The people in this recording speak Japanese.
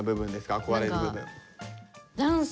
憧れる部分。